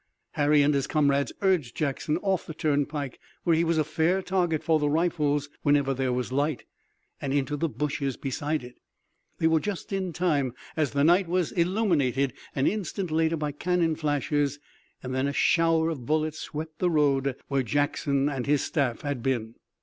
Harry and his comrades urged Jackson off the turnpike, where he was a fair target for the rifles whenever there was light, and into the bushes beside it. They were just in time, as the night was illuminated an instant later by cannon flashes and then a shower of bullets swept the road where Jackson and his staff had been.